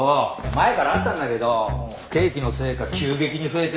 前からあったんだけど不景気のせいか急激に増えてるよ。